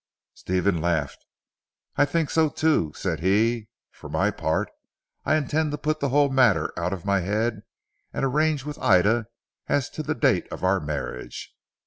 Stephen laughed. "I think so too," said he, "for my part I intend to put the whole matter out of my head and arrange with Ida as to the date of our marriage.